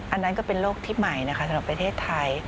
อันนั้นก็เป็นโรคที่ใหม่นะคะสำหรับประเทศไทย